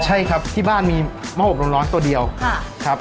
ใช่ครับที่บ้านมีหม้ออบร้อนตัวเดียวครับ